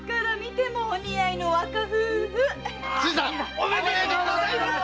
おめでとうございます！